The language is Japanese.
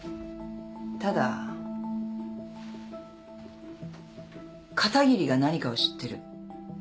ただ片桐が何かを知ってる。